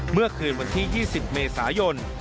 เมื่อคืนวันที่๒๐เมษายน